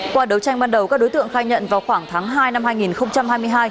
qua đấu tranh ban đầu các đối tượng khai nhận vào khoảng tháng hai năm hai nghìn hai mươi hai